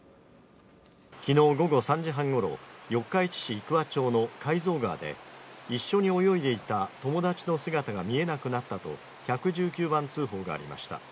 昨日午後３時半ごろ、四日市市生桑町の海蔵川で一緒に泳いでいた友達の姿が見えなくなったと１１９番通報がありました。